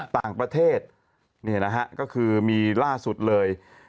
ต่างประเทศนี่นะฮะก็คือมีล่าสุดเลย